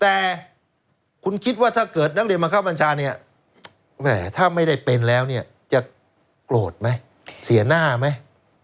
แต่คุณคิดว่าถ้าเกิดนักเรียนบังคับบัญชาเนี่ยถ้าไม่ได้เป็นแล้วเนี่ยจะโกรธไหมเสียหน้าไหม